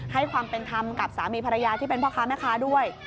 ให้ความเป็นธรรมกับสามีภรรยาที่เป็นพ่อค้าแม่ค้าด้วย